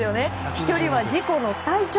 飛距離は自己最長！